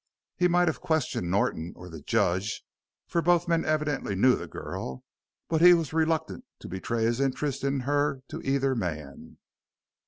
He might have questioned Norton or the judge, for both men evidently knew the girl, but he was reluctant to betray his interest in her to either man.